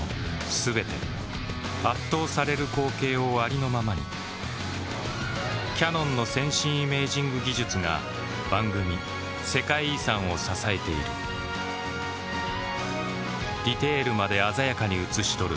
全て圧倒される光景をありのままにキヤノンの先進イメージング技術が番組「世界遺産」を支えているディテールまで鮮やかに映し撮る